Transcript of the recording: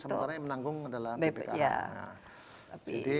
sementara yang menanggung adalah ppkm